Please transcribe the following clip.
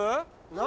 何？